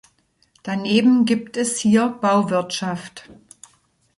Daneben gibt es hier Bauwirtschaft.